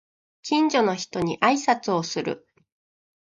近所の人に挨拶をする